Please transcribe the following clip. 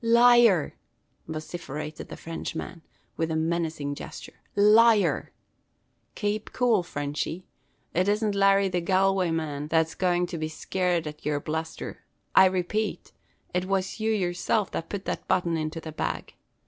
"Liar!" vociferated the Frenchman, with a menacing gesture. "Liar!" "Kape cool, Frenchy. It isn't Larry the Galwayman that's goin' to be scared at yer blusther. I repate, it was you yourself that putt that button into the bag."